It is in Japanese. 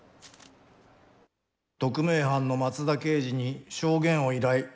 「特命班の松田刑事に証言を依頼。